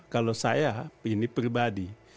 kalau saya ini pribadi